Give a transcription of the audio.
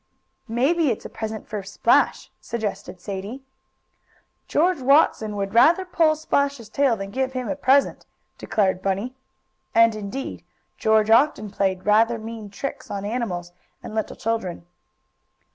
"Maybe it's a present for Splash," suggested Sadie. "George Watson would rather pull Splash's tail, than give him a present," declared Bunny. And indeed George often played rather mean tricks on animals, and little children.